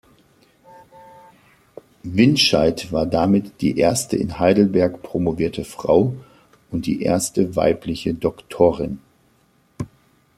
Windscheid war damit die erste in Heidelberg promovierte Frau und die erste weibliche Dr.